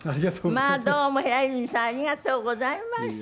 まあどうも平泉さんありがとうございました。